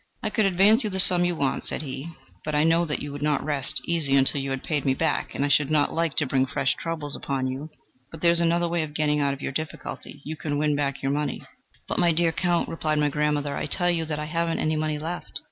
"'I could advance you the sum you want,' said he; 'but I know that you would not rest easy until you had paid me back, and I should not like to bring fresh troubles upon you. But there is another way of getting out of your difficulty: you can win back your money.' "'But, my dear Count,' replied my grandmother, 'I tell you that I haven't any money left.'